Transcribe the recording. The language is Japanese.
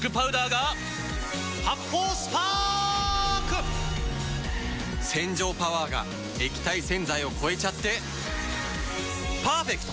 発泡スパーク‼洗浄パワーが液体洗剤を超えちゃってパーフェクト！